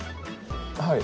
はい？